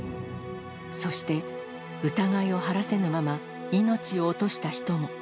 そして疑いを晴らせぬまま、命を落とした人も。